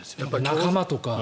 仲間とか。